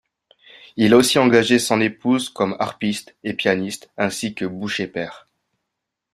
Il a aussi engagé son épouse comme harpiste et pianiste ainsi que Boucher père.